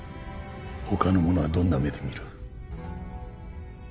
ほかの者はどんな目で見る？